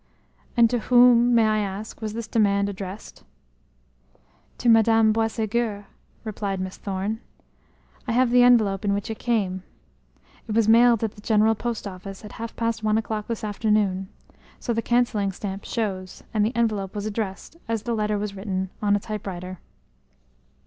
"And to whom, may I ask, was this demand addressed?" "To Madame Boisségur," replied Miss Thorne. "I have the envelope in which it came. It was mailed at the general post office at half past one o'clock this afternoon, so the canceling stamp shows, and the envelope was addressed, as the letter was written, on a typewriter."